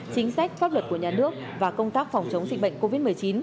chính sách pháp luật của nhà nước và công tác phòng chống dịch bệnh covid một mươi chín